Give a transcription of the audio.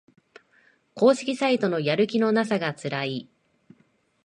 公式サイトのやる気のなさがつらい